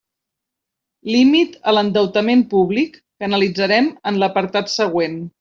Límit a l'endeutament públic, que analitzarem en l'apartat següent.